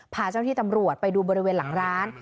พาเจ้าที่ตำรวจไปดูบริเวณหลังร้าน